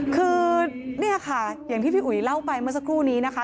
คือเนี่ยค่ะอย่างที่พี่อุ๋ยเล่าไปเมื่อสักครู่นี้นะคะ